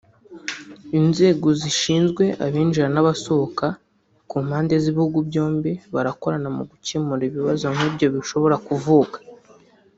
Inzego zishinzwe abinjira n’abasohoka (ku mpande z’ibihugu byombi) barakorana mu gukemura ibibazo nk’ibyo bishobora kuvuka